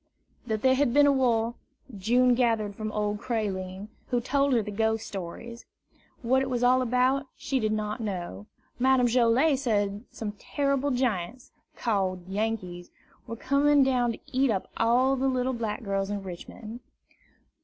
That there had been a war, June gathered from old Creline, who told her the ghost stories. What it was all about, she did not know. Madame Joilet said some terrible giants, called Yankees, were coming down to eat up all the little black girls in Richmond.